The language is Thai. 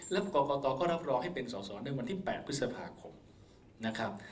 แล้วกรกตก็รับรองให้เป็นสอสอในวันที่๘พฤษภาคมนะครับ